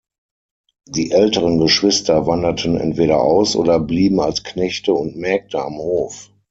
Die älteren Geschwister wanderten entweder aus oder blieben als Knechte und Mägde am Hof.